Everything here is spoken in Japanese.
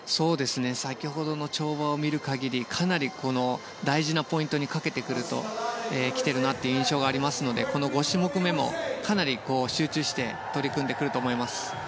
先ほどの跳馬を見る限りかなり大事なポイントにかけてきているなという印象がありますのでこの５種目めも、かなり集中して取り組んでくると思います。